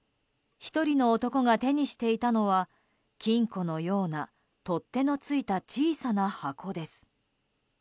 １人の男が手にしていたのは金庫のような取っ手のついた小さな箱です。